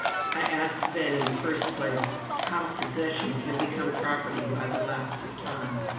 I ask, then, in the first place, how possession can become property by the lapse of time?